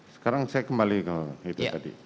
sekarang saya kembali ke itu tadi